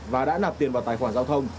và đã nạp tiền vào tài khoản giao thông